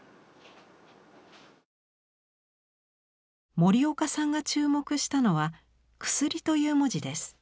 森岡さんが注目したのは「薬」という文字です。